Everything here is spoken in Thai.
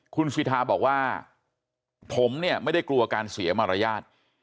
คุณศิษฐาบอกว่าผมไม่ได้กลัวการเสียมารยาท